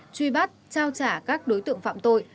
truy bắt trao trả các đối tượng phạm tội